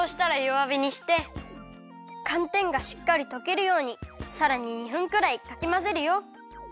わびにしてかんてんがしっかりとけるようにさらに２分くらいかきまぜるよ。